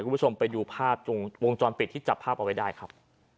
คุณผู้ชมไปดูภาพวงจรปิดที่จับภาพเอาไว้ได้ครับ